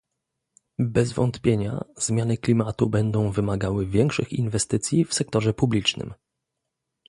Bez wątpienia zmiany klimatu będą wymagały większych inwestycji w sektorze publicznym